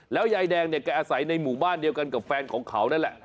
แล้วยายแดงเนี่ยแกอาศัยในหมู่บ้านเดียวกันกับแฟนของเขานั่นแหละ